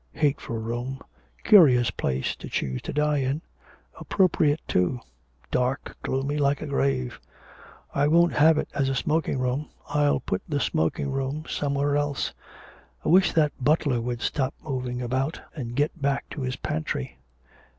Hateful room! Curious place to choose to die in. Appropriate too dark, gloomy, like a grave. I won't have it as a smoking room. I'll put the smoking room somewhere else. I wish that butler would stop moving about and get back to his pantry.